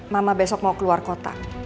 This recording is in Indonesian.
mama besok mau keluar kota